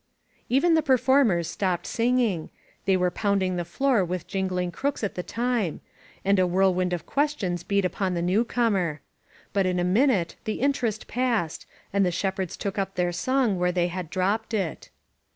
Even the performers stopped singing — they were pounding the flooy with jingling crooks at the time — and a whirlwind of questions beat upon the newcomer. 825 INSURGENT MEXICO But in a minute the interest passed, and the shepherds took up their song where they had dropped it.